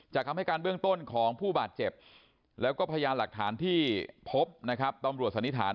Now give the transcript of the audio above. คำให้การเบื้องต้นของผู้บาดเจ็บแล้วก็พยานหลักฐานที่พบนะครับตำรวจสันนิษฐาน